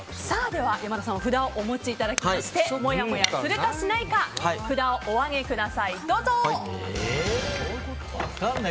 では、山田さんにもお札をお持ちいただきましてもやもやするかしないか札をお上げください、どうぞ。